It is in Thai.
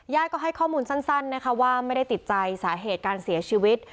ก็ให้ข้อมูลสั้นนะคะว่าไม่ได้ติดใจสาเหตุการเสียชีวิต